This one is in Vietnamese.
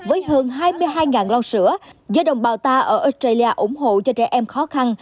với hơn hai mươi hai lon sữa do đồng bào ta ở australia ủng hộ cho trẻ em khó khăn